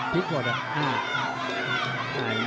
พี่ปะค่ะ